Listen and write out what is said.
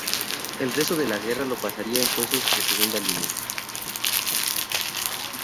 El resto de la guerra lo pasaría en puestos de segunda línea.